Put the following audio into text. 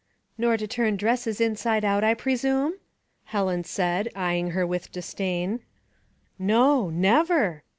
*' Nor to turn dresses inside out, I presume ?" Helen said, eyeing her work with disdain. "No, never!"